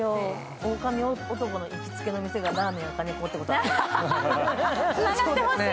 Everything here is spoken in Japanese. オオカミ男の行きつけの店がラーメン赤猫ってことない？